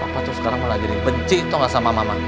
papa tuh sekarang malah gini benci tau gak sama mama